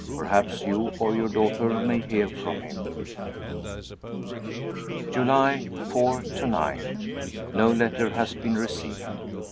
Perhaps you or your daughter may hear from him." July 4 9. No letter has been received.